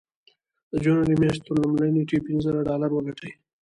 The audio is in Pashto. د جنوري مياشتې تر لومړۍ نېټې پينځه زره ډالر وګټئ.